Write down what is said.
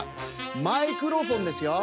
マイクロフォンですよ。